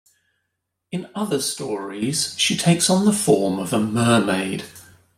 In other stories, she takes on the form of a mermaid.